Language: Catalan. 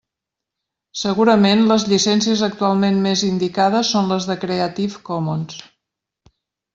Segurament, les llicències actualment més indicades són les Creative Commons.